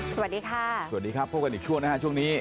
สวัสดีค่ะสวัสดีครับพบกันอีกช่วงนะฮะช่วงนี้